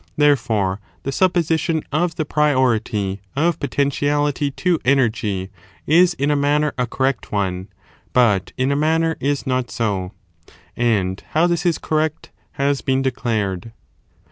^ Therefore, the supposition of the priority of potentiality to energy is in a manner a correct one, but in a manner is not so. And how this is correct has been declared.